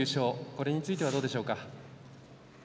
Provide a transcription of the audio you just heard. これについてはどうでしょうか。